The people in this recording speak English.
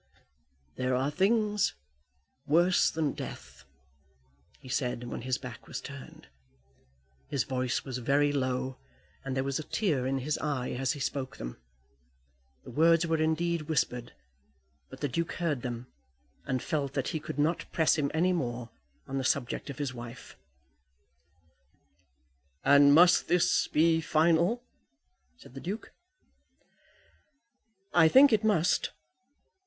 "There are things worse than death," he said, when his back was turned. His voice was very low, and there was a tear in his eye as he spoke them; the words were indeed whispered, but the Duke heard them, and felt that he could not press him any more on the subject of his wife. "And must this be final?" said the Duke. "I think it must.